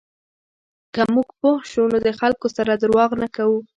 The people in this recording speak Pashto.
که موږ پوه شو، نو د خلکو سره درواغ نه کوو.